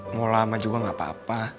mau lama juga gak apa apa